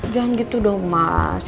jangan gitu dong mas